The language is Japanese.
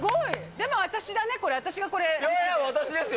でも私だね、これ、いや、私ですよ。